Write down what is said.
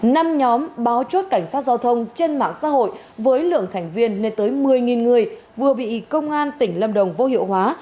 năm nhóm báo chốt cảnh sát giao thông trên mạng xã hội với lượng thành viên lên tới một mươi người vừa bị công an tỉnh lâm đồng vô hiệu hóa